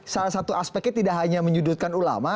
salah satu aspeknya tidak hanya menyudutkan ulama